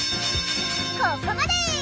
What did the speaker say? ここまで！